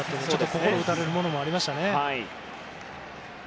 心を打たれるものがありましたね。